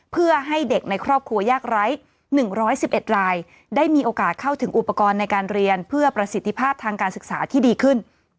เพื่อให้เด็กในครอบครัวยากไร้๑๑๑รายได้มีโอกาสเข้าถึงอุปกรณ์ในการเรียนเพื่อประสิทธิภาพทางการศึกษาที่ดีขึ้น